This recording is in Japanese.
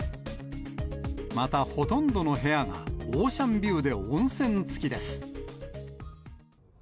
またほとんどの部屋がオーシャンビューで温泉付きです。